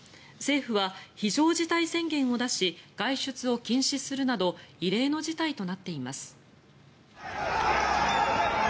政府は非常事態宣言を出し外出を禁止するなど異例の事態となっています。